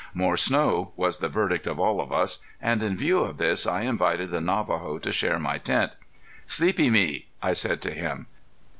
"More snow" was the verdict of all of us, and in view of this, I invited the Navajo to share my tent. "Sleepie me," I said to him.